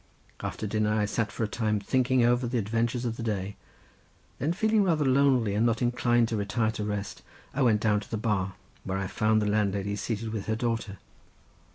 After dinner I sat for some time thinking over the adventures of the day, then feeling rather lonely and not inclined to retire to rest, I went down to the bar, where I found the landlady seated with her daughter.